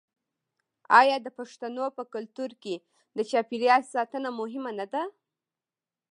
آیا د پښتنو په کلتور کې د چاپیریال ساتنه مهمه نه ده؟